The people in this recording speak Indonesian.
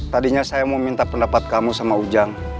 tadinya saya mau minta pendapat kamu sama ujang